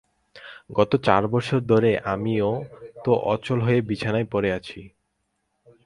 গত চার বছর ধরে আমিও তো অচল হয়ে বিছানায় পড়ে আছি।